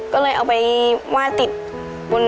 ก็เลยเอาไปวาดติดบนกำแพงบ้าง